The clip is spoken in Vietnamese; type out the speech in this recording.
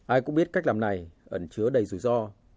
ai cũng biết cách làm này ẩn chứa đầy rủi ro